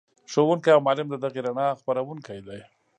ښوونکی او معلم د دغې رڼا خپروونکی دی.